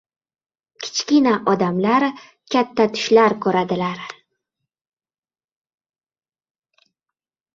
• Kichkina odamlar katta tushlar ko‘radilar.